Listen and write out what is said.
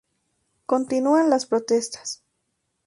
Continúan las protestas.